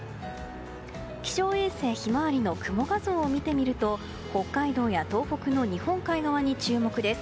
気象衛星「ひまわり」の雲画像を見てみると北海道や東北の日本海側に注目です。